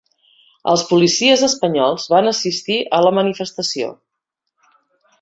Els policies espanyols van assistir a la manifestació